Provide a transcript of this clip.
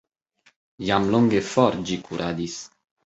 Jam longe for ĝi kuradis.